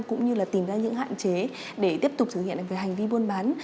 cũng như là tìm ra những hạn chế để tiếp tục thực hiện về hành vi buôn bán